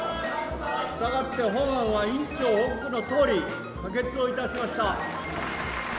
従って本案は委員長報告のとおり可決を致しました。